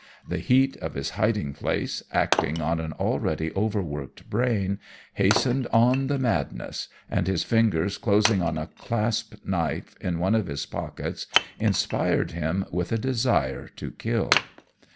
The heat of his hiding place, acting on an already overworked brain, hastened on the madness; and his fingers closing on a clasped knife in one of his pockets, inspired him with a desire to kill.